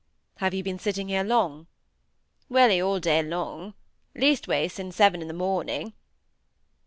"Have you been sitting here long?" "Welly all day long. Leastways sin' seven i' th' morning."